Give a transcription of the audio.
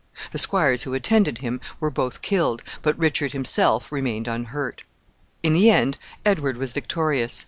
The squires who attended him were both killed, but Richard himself remained unhurt. In the end, Edward was victorious.